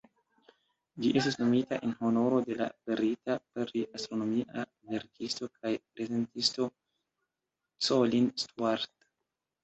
Ĝi estis nomita en honoro de la brita pri-astronomia verkisto kaj prezentisto "Colin Stuart".